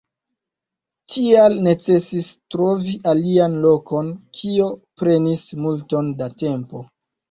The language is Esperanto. Tial necesis trovi alian lokon, kio prenis multon da tempo.